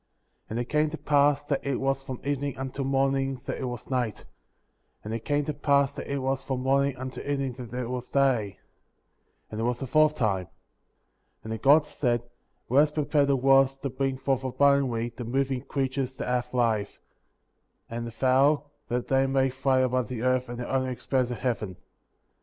19. And it came to pass that it was from evening until morning that it was night ; and it came to pass that it was from morning until evening that it was day; and it was the fourth time.* 20. And the Gods said : Let us prepare the waters to bring forth abundantly the moving creatures that have life; and the fowl, that they may fly above the earth in the open expanse of heaven.